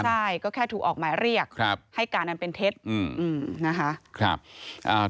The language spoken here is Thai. ใช่ก็แค่ถูกออกหมายเรียกครับให้การอันเป็นเท็จนะคะ